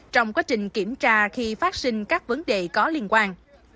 trong quá trình kiểm tra khi phát sinh các vấn đề có liên quan